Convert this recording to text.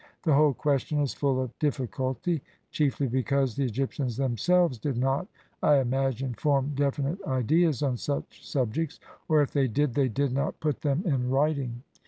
The whole question is full of difficulty, chiefly because the Egyptians themselves did not, I imagine, form definite ideas on such sub jects, or if they did, they did not put them in writ ing.